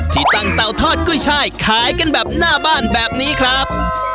ที่ตั้งเตาทอดกุ้ยช่ายขายกันแบบหน้าบ้านแบบนี้ครับ